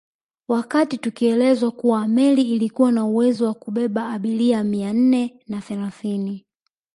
Wakati tukielezwa kuwa meli ilikuwa na uwezo wa kubeba abiria mia nne na thelathini